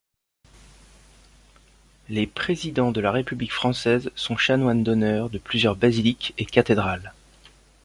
Les présidents de la République française sont chanoines d'honneur de plusieurs basiliques et cathédrales.